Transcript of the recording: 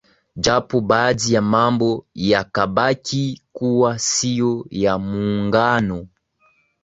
Japo baadhi ya mambo yakabaki kuwa sio ya muungano